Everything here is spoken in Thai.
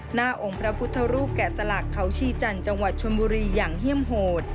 หน้าองค์พระพุทธรูปแกะสลักเขาชีจันทร์จังหวัดชนบุรีอย่างเยี่ยมโหด